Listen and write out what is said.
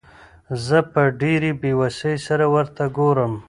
زه په ډېرې بېوسۍ سره ورته ګورم.